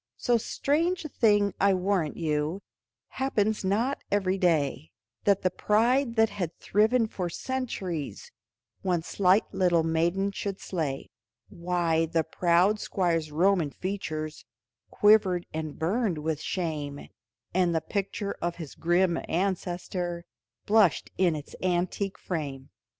So strange a thing I warrant you Happens not every day, That the pride that had thriven for centuries One slight little maiden should slay; Why the proud Squire's Roman features Quivered and burned with shame, And the picture of his grim ancestor Blushed in its antique frame.